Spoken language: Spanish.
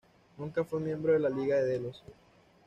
Nunca fue miembro de la Liga de Delos.